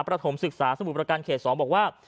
ฐมศึกษาสมุทรประการเขต๒บอกว่า